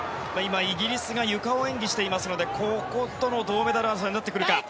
イギリスがゆかを演技していますのでこことの銅メダル争いになってくるか。